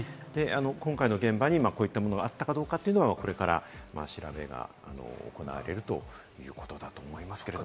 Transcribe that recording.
今回の現場にこういったものがあったかどうかは、これから調べが行われるということだと思いますけれども。